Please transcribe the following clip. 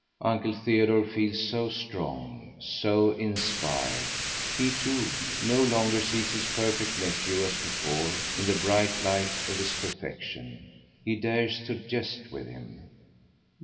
Uncle Theodore feels so strong, so inspired. He, too, no longer sees his perfect nephew as before in the bright light of his perfection. He dares to jest with him.